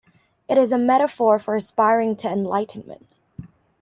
It is a metaphor for aspiring to enlightenment.